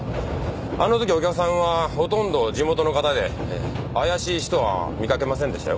あの時お客さんはほとんど地元の方で怪しい人は見かけませんでしたよ。